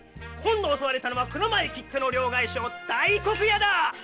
襲われたのは蔵前きっての両替商・大黒屋だ！